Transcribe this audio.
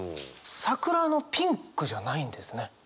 「桜のピンク」じゃないんですね。